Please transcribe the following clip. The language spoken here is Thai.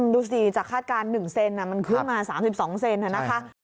ดูสิจากคาดการณ์๑เซนมันขึ้นมา๓๒เซนนะคะ